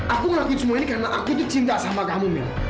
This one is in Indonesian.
aku ngelakuin semua ini karena aku itu cinta sama kamu nih